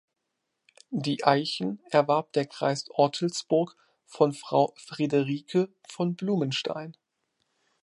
Die Eichen erwarb der Kreis Ortelsburg von Frau "Friederike von Blumenstein".